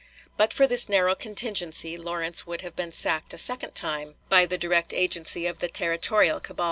But for this narrow contingency Lawrence would have been sacked a second time by the direct agency of the territorial cabal.